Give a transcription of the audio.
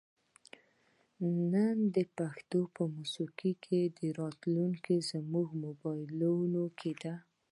نن د پښتو موسیقۍ راتلونکې زموږ په موبایلونو کې ده.